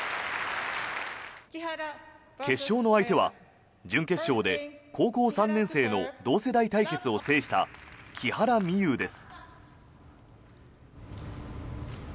決勝の相手は準決勝で、高校３年生の同世代対決を制した木原美悠です。